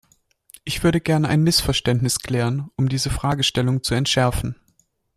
Ich würde gerne ein Missverständnis klären, um diese Fragestellung zu entschärfen.